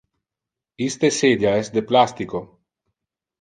Iste sedia es de plastico.